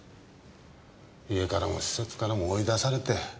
家からも施設からも追い出されて